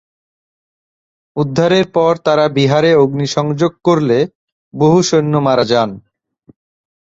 উদ্ধারের পর তারা বিহারে অগ্নিসংযোগ করলে বহু সৈন্য মারা যান।